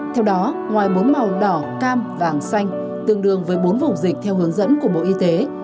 theo đó ngoài bốn màu đỏ cam vàng xanh tương đương với bốn vùng dịch theo hướng dẫn của bộ y tế